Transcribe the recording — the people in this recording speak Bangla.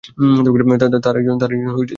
তার একজন ছোট ভাই আছে।